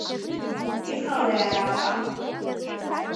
Иҟалеи араҟа?